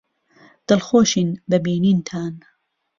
دڵخۆشین بە بینینتان.